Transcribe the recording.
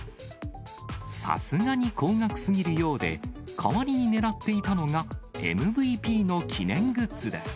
さすがに高額すぎるようで、代わりに狙っていたのがＭＶＰの記念グッズです。